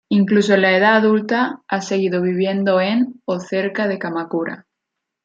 Incluso en la edad adulta, ha seguido viviendo en o cerca de Kamakura.